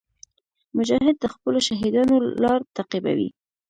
مجاهد د خپلو شهیدانو لار تعقیبوي.